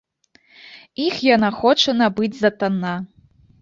Іх яна хоча набыць за танна.